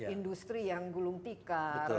industri yang gulung tikar